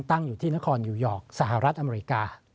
ตั้งอยู่ที่นครนิวยอร์กสหรัฐอเมริกา